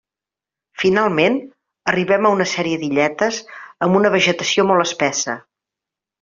Finalment, arribem a una sèrie d'illetes amb una vegetació molt espessa.